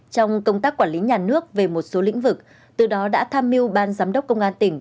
trong công tác quản lý nhà nước về một số lĩnh vực từ đó đã tham mưu ban giám đốc công an tỉnh